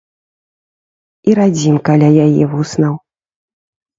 І радзімка ля яе вуснаў.